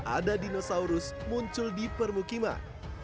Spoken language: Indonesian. ada dinosaurus muncul di permukiman